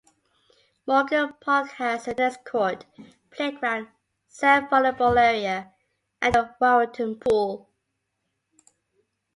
Morgan Park-Has a tennis court, playground, sand volleyball area, and the Warrenton Pool.